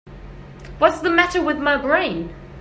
What's the matter with my brain?